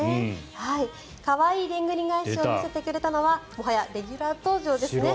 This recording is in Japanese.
可愛いでんぐり返しを見せてくれたのはもはやレギュラー登場ですね。